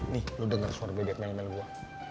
nih lo denger suara bebek mel mel gua